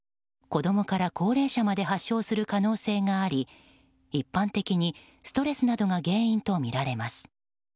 子供から高齢者まで発症する可能性があり一般的にストレスなどが原因とみられます。